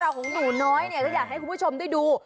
ของหนูน้อยเนี่ยก็อยากให้คุณผู้ชมได้ดู